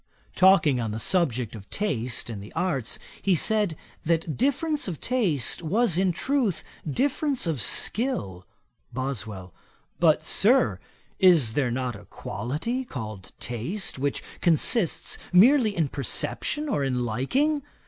Talking on the subject of taste in the arts, he said, that difference of taste was, in truth, difference of skill. BOSWELL. 'But, Sir, is there not a quality called taste, which consists merely in perception or in liking?